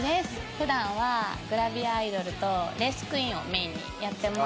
普段はグラビアアイドルとレースクイーンをメインにやってます。